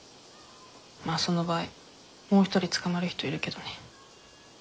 まあその場合もう一人捕まる人いるけどね。